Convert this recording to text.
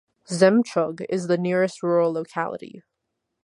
Zhemchug is the nearest rural locality.